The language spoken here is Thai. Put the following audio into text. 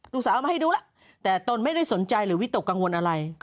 ลูกสาวมาให้ดูล่ะแต่ตนไม่ได้สนใจหรือวิธีตกังวลอะไร